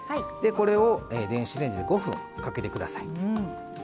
これを電子レンジで５分かけて下さい。